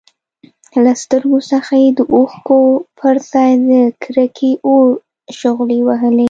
له سترګو څخه يې د اوښکو پرځای د کرکې اور شغلې وهلې.